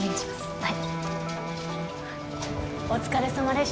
はい。